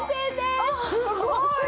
すごい！